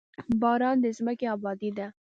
باران د ځمکې ابادي ده.